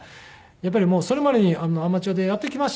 やっぱりそれまでにアマチュアでやってきましたけど